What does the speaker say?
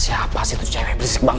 siapa sih itu cewek berisik banget